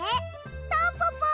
タンポポ！